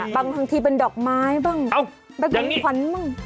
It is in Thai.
บางทีเป็นดอกไม้บ้างเป็นของขวัญบ้าง